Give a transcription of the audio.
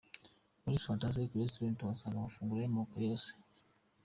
Muri Fantastic Restaurant uhasanga amafunguro y'amoko yose.